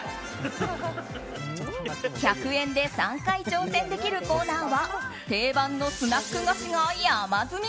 １００円で３回挑戦できるコーナーは定番のスナック菓子が山積み。